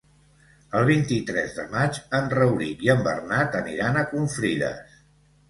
El vint-i-tres de maig en Rauric i en Bernat aniran a Confrides.